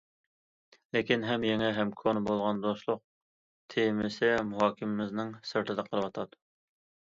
لېكىن ھەم يېڭى، ھەم كونا بولغان دوستلۇق تېمىسى مۇھاكىمىمىزنىڭ سىرتىدا قېلىۋاتىدۇ.